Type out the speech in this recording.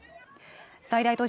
最大都市